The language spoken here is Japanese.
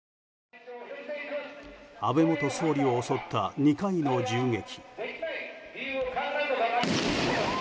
安倍元総理を襲った２回の銃撃。